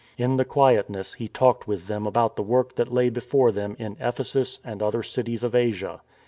In the quietness he talked with them about the work that lay before them in Ephesus and other cities of Asia.